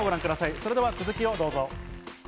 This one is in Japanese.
それでは続きをどうぞ。